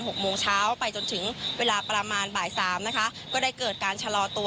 หกโมงเช้าไปจนถึงเวลาประมาณบ่ายสามนะคะก็ได้เกิดการชะลอตัว